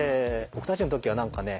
僕たちの時は何かね